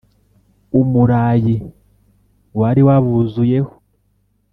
umurayi wari wabuzuyeho.